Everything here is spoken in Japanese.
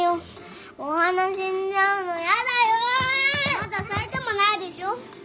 まだ咲いてもないでしょ。